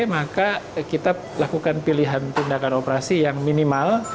maka kita lakukan pilihan tindakan operasi yang minimal